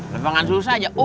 lembangan susah aja